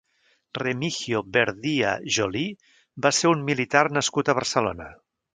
Remigio Verdía Jolí va ser un militar nascut a Barcelona.